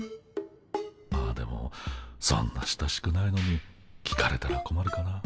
ああでもそんな親しくないのに聞かれたらこまるかな。